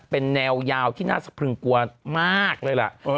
เป็นแนวยาวที่น่าสะพรึงกลัวมากเลยล่ะ